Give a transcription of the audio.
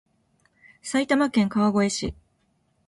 埼玉県川越市